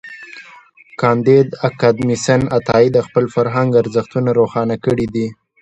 کانديد اکاډميسن عطايي د خپل فرهنګ ارزښتونه روښانه کړي دي.